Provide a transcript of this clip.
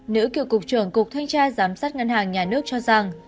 nữ cựu cục trưởng cục thanh tra giám sát ngân hàng nhà nước cho rằng